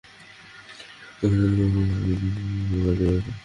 ওদের তিন বছর আগে বিবাহবিচ্ছেদ হয়েছে, বাজে ব্যাপার।